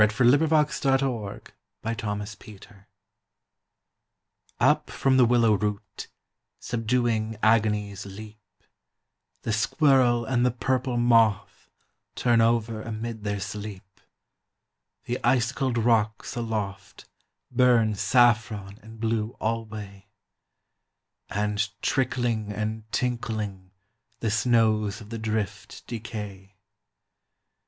The Still of the Year UP from the willow root Subduing agonies leap; The squirrel and the purple moth Turn over amid their sleep; The icicled rocks aloft Burn saffron and blue alway, And trickling and tinkling The snows of the drift decay.